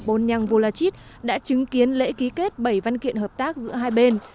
bôn nhăng vô la chít đã chứng kiến lễ ký kết bảy văn kiện hợp tác giữa hai bên